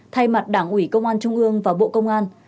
thay mặt đảng ủy công an trung ương và bộ công an